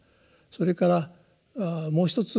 それからもう一つ。